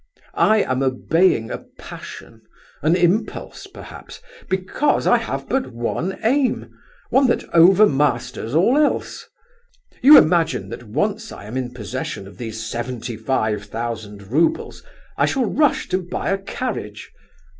I am obeying a passion, an impulse perhaps, because I have but one aim, one that overmasters all else. You imagine that once I am in possession of these seventy five thousand roubles, I shall rush to buy a carriage...